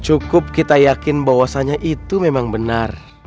cukup kita yakin bahwasannya itu memang benar